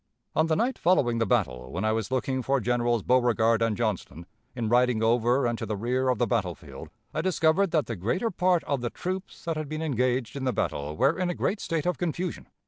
"On the night following the battle, when I was looking for Generals Beauregard and Johnston, in riding over and to the rear of the battle field, I discovered that the greater part of the troops that had been engaged in the battle were in a great state of confusion.